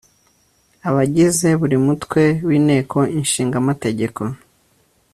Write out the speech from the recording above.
abagize buri Mutwe w'Inteko Ishingamategeko